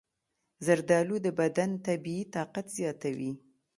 زردآلو د بدن طبیعي طاقت زیاتوي.